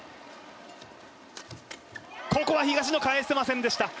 ここは東野、返せませんでした。